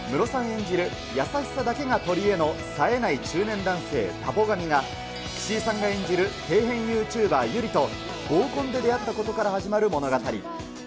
演じる優しさだけが取り柄のさえない中年男性、田母神が、岸井さんが演じる底辺ユーチューバー優里と合コンで出会ったことから始まる物語。